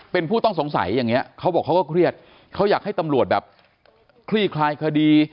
เป็นผู้ต้องสงสัยอย่างนี้เขาบอกเขาก็เครียดเขาอยากให้ตำรวจแบบคลี่คลายคดี